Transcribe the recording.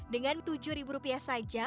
dengan tujuh rupiah saja